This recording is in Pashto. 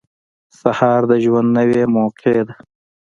• سهار د ژوند نوې موقع ده.